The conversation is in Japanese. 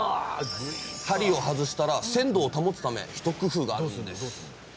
針を外したら鮮度を保つため一工夫があるんです。